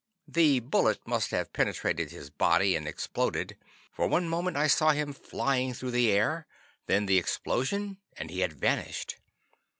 The "bullet" must have penetrated his body and exploded. For one moment I saw him flying through the air. Then the explosion, and he had vanished.